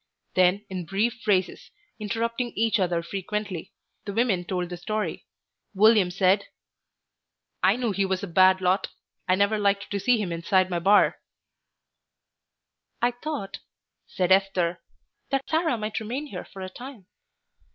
Then in brief phrases, interrupting each other frequently, the women told the story. William said "I knew he was a bad lot. I never liked to see him inside my bar." "I thought," said Esther, "that Sarah might remain here for a time."